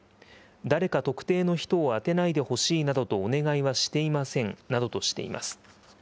誰か特定の人を当てないでほしいなどとお願いはしていませんなどとしています。